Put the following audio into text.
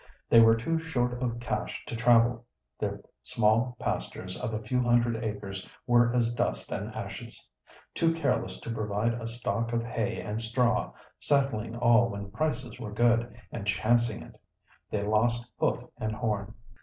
They were too short of cash to travel. Their small pastures of a few hundred acres were as dust and ashes. Too careless to provide a stock of hay and straw, selling all when prices were good, and "chancing it," they lost hoof and horn.